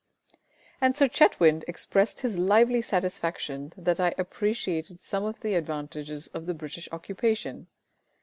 And Sir CHETWYND expressed his lively satisfaction that I appreciated some of the advantages of the British occupation.